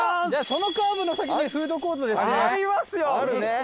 じゃあそのカーブの先にフードコートですね。